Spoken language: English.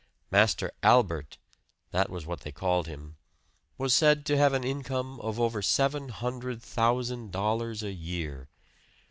Master Albert that was what they all called him was said to have an income of over seven hundred thousand dollars a year.